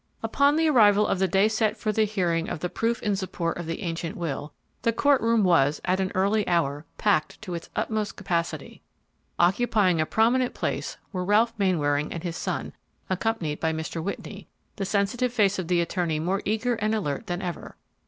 Upon the arrival of the day set for the hearing of the proof in support of the ancient will, the court room was, at an early hour, packed to its utmost capacity. Occupying a prominent place were Ralph Mainwaring and his son, accompanied by Mr. Whitney, the sensitive face of the attorney more eager and alert than ever!